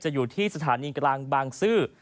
อยู่ที่สถานีกลางบางซื่อ